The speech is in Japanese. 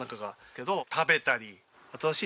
けど。